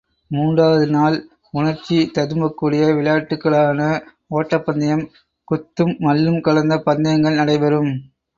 மூன்றாவது நாள் உணர்ச்சி ததும்பக்கூடிய விளையாட்டுக்களான ஒட்டப் பந்தயம், குத்தும் மல்லும் கலந்த பந்தயங்கள் நடைபெறும்.